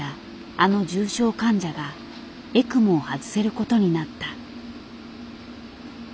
あの重症患者がエクモを外せることになった。